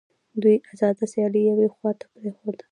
دوی آزاده سیالي یوې خواته پرېښوده